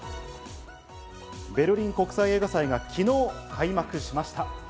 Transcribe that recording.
ベルリン国際映画祭が昨日、開幕しました。